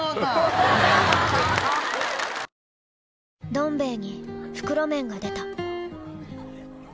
「どん兵衛」に袋麺が出た